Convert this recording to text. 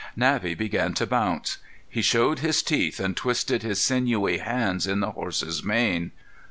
Navvy began to bounce. He showed his teeth and twisted his sinewy hands in the horse's mane.